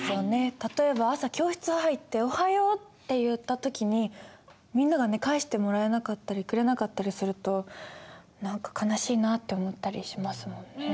例えば朝教室入って「おはよう」って言った時にみんなが返してもらえなかったりくれなかったりすると何か悲しいなって思ったりしますもんね。